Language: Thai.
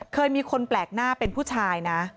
เคยมีคนแปลกหน้าเป็นผู้ชายนะ